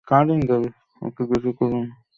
ওকে কিছু করো না।